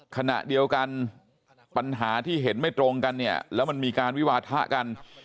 ขณะเดียวกันปัญหาที่เห็นไม่ตรงกันเนี่ยแล้วมันมีการวิวาทะกัน